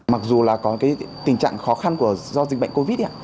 mặc dù là có cái tình trạng khó khăn do dịch bệnh covid một mươi chín